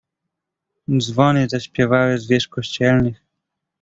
"Dzwony zaśpiewały z wież kościelnych."